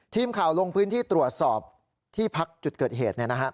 ทีมข่าวลงพื้นที่ตรวจสอบที่พักจุดเกิดเหตุ